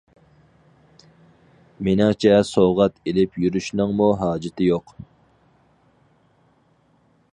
مېنىڭچە سوۋغات ئېلىپ يۈرۈشنىڭمۇ ھاجىتى يوق.